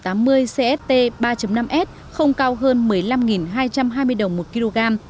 dầu st ba năm s không cao hơn một mươi năm hai trăm hai mươi đồng một kg